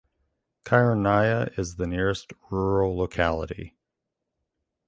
Chyornaya is the nearest rural locality.